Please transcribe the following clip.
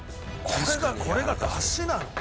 これがこれが出汁なの？